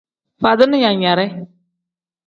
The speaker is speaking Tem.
Faadini yaayande.